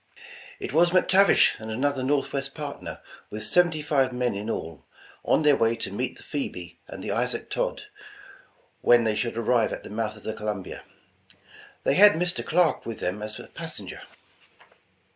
It " was McTavish and another Northwest partner, with seventy five men in all, on their way to meet the Phoebe and the Isaac Todd, when they should arrive at the mouth of the Columbia. They had Mr. Clarke with them as a passenger.